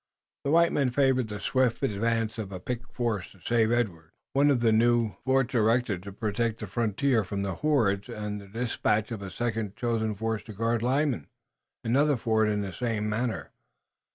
The white men favored the swift advance of a picked force to save Edward, one of the new forts erected to protect the frontier, from the hordes, and the dispatch of a second chosen force to guard Lyman, another fort, in the same manner.